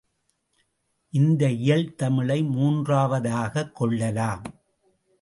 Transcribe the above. இந்த இயல் தமிழை மூன்றாவதாகக் கொள்ளலாம்.